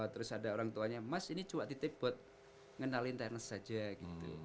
terus ada orang tuanya mas ini cua titik buat ngenalin tenis aja gitu